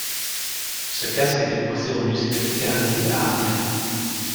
Ce casque est déposé au musée de Picardie à Amiens.